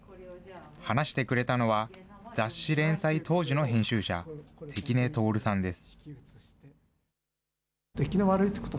話してくれたのは、雑誌連載当時の編集者、関根徹さんです。